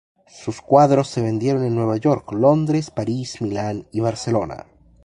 Sus cuadros se vendieron en Nueva York, Londres, París, Milán y Barcelona.